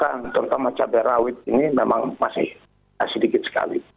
karena contohnya cabai rawit ini memang masih sedikit sekali